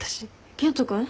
健人君？